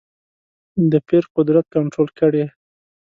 د پیر قدرت کنټرول کړې.